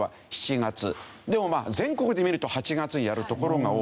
でもまあ全国で見ると８月にやる所が多い。